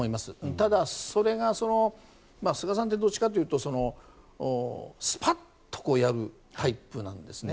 ただ、それが菅さんってどっちかっていうとスパッとやるタイプなんですね。